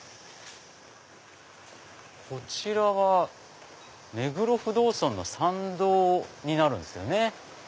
こちらは目黒不動尊の参道になるんですよね。